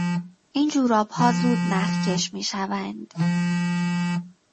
این جورابها زود نخکش میشوند.